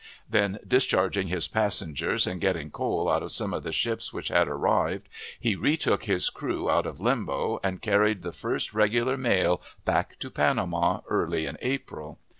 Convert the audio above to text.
Then, discharging his passengers and getting coal out of some of the ships which had arrived, he retook his crew out of limbo and carried the first regular mail back to Panama early in April.